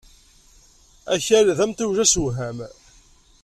Akal d amtiweg asewham.